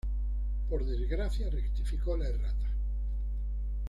por desgracia, rectificó la errata